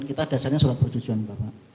kita dasarnya surat perjuan bapak